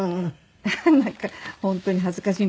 なんか本当に恥ずかしいんですけど。